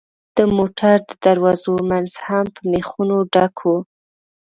د موټر د دروازو منځ هم په مېخونو ډکوو.